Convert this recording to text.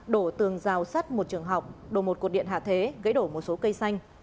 đổ tường rào sắt một trường học đổ một cột điện hạ thế gãy đổ một số cây xanh